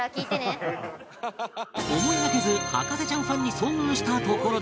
思いがけず博士ちゃんファンに遭遇したところで